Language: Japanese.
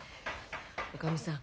おかみさん